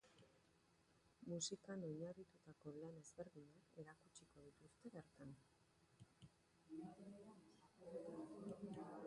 Musikan oinarritutako lan ezberdinak erakutsiko dituzte bertan.